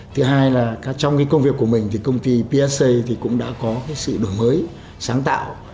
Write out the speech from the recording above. thứ hai là trong cái công việc của mình thì công ty psa cũng đã có sự đổi mới sáng tạo